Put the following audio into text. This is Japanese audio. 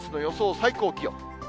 最高気温。